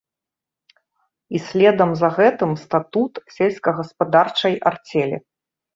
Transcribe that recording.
І следам за гэтым статут сельскагаспадарчай арцелі.